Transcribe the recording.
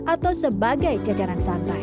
atau sebagai jajaran santai